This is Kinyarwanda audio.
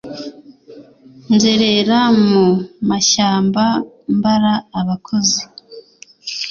nzerera mu mashyamba, mbara abakozi